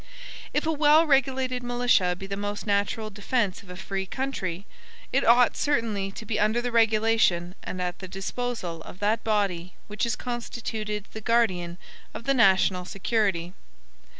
If a well regulated militia be the most natural defense of a free country, it ought certainly to be under the regulation and at the disposal of that body which is constituted the guardian of the national security.